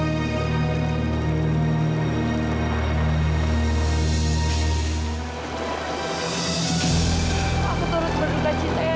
terima kasih ya